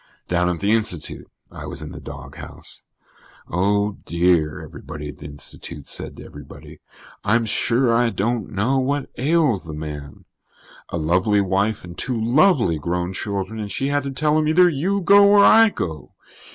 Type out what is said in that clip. Down at the Institute, I was in the doghouse. "Oh, dear," everybody at the Institute said to everybody, "I'm sure I don't know what ails the man. A lovely wife and two lovely grown children and she had to tell him 'either you go or I go.'